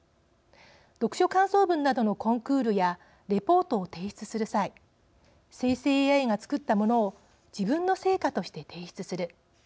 読書感想文などのコンクールやレポートを提出する際生成ＡＩが作ったものを自分の成果として提出する。